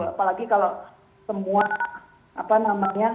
apalagi kalau semua apa namanya